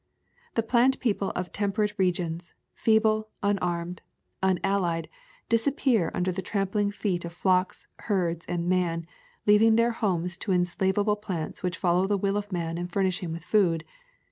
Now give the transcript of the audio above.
The plant people of temperate regions, feeble, un armed, unallied, disappear under the trampling feet of flocks, herds, and man, leaving their homes to enslavable plants which follow the will of man and furnish him with food.